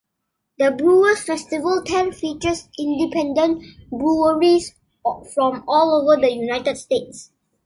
The Broo'ers Festival tent features independent breweries from all over the United States.